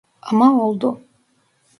Ama oldu.